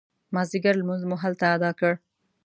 مازدیګر لمونځ مو هلته اداء کړ.